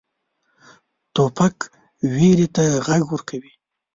توپک ویرې ته غږ ورکوي.